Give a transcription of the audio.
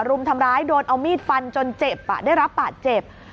รุมทำร้ายโดนเอามีดฟันจนเจ็บได้รับบาดเจ็บ